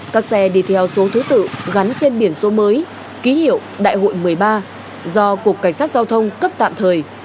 các xe đi theo số thứ tự gắn trên biển số mới ký hiệu đại hội một mươi ba do cục cảnh sát giao thông cấp tạm thời